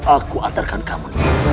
aku antarkan kamu